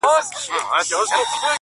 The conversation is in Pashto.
و تاسو ته يې سپين مخ لارښوونکی، د ژوند.